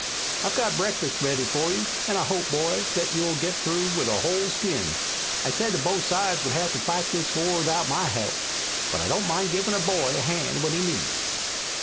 "I've got breakfast ready for you, an' I hope, boy, that you'll get through with a whole skin. I said that both sides would have to fight this war without my help, but I don't mind givin' a boy a hand when he needs it."